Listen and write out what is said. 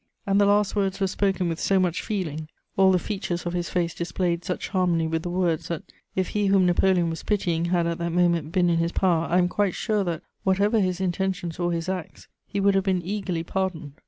"And the last words were spoken with so much feeling, all the features of his face displayed such harmony with the words that, if he whom Napoleon was pitying had at that moment been in his power, I am quite sure that, whatever his intentions or his acts, he would have been eagerly pardoned....